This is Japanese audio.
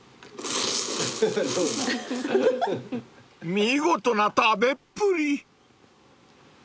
［見事な食べっぷり］